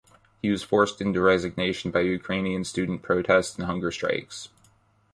He was forced into resignation by Ukrainian student protests and hunger strikes.